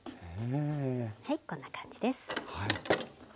はいこんな感じです。